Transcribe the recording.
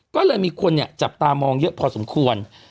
ก็เลยมีคนจับตามองเยอะพอสมควร